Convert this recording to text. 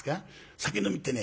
酒飲みってね